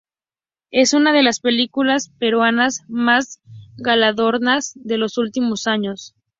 Es una de las películas peruanas más galardonadas de los últimos años.